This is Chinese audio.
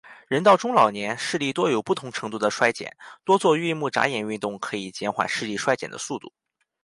人到中老年，视力多有不同程度地衰减，多做运目眨眼运动可以减缓视力衰减的速度。